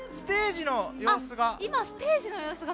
ステージの様子が。